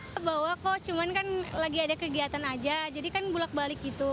kebawa kok cuma kan lagi ada kegiatan aja jadi kan bulat balik gitu